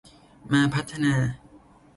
มาพัฒนา